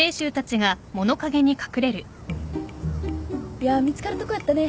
いや見つかるとこやったね。